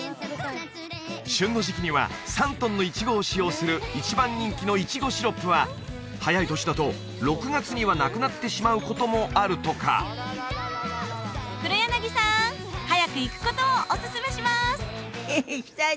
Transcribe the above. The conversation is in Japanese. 旬の時期には３トンのいちごを使用する一番人気のいちごシロップは早い年だと６月にはなくなってしまうこともあるとか黒柳さん早く行くことをおすすめします